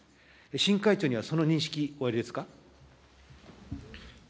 新会長にはその認識、おありですか。